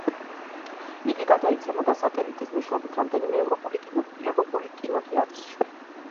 იგი გადაიცემოდა სატელიტის მეშვეობით რამდენიმე ევროპული კინოთეატრში.